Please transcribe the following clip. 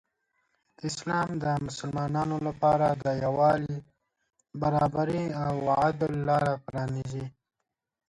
اسلام د مسلمانانو لپاره د یو والي، برابري او عدل لاره پرانیزي.